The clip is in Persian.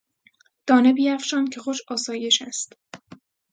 ...دانه بیافشان که خوش آسایش است